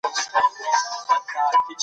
اوس دا سیستم ورځ تر بلې عصري کیږي.